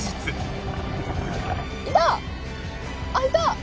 あっいた！